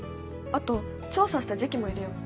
あと調査した時期も入れよう。